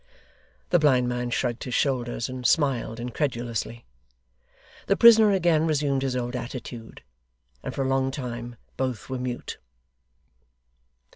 The blind man shrugged his shoulders, and smiled incredulously. The prisoner again resumed his old attitude, and for a long time both were mute.